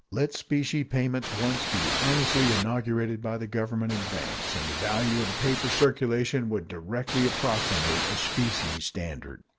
Let specie payments once be earnestly inaugurated by the Government and banks, and the value of the paper circulation would directly approximate a specie standard.